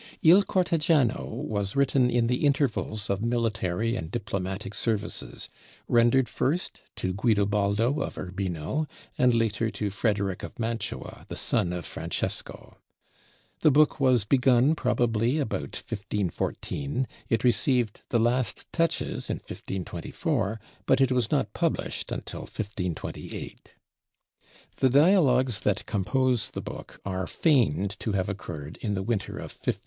'Il Cortegiano' was written in the intervals of military and diplomatic services, rendered first to Guidobaldo of Urbino and later to Frederic of Mantua, the son of Francesco. The book was begun probably about 1514; it received the last touches in 1524, but it was not published until 1528. The dialogues that compose the book are feigned to have occurred in the winter of 1506 7.